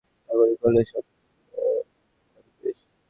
নাগরকোয়িলের সংশোধনাগারের ওই ভবানী কেস।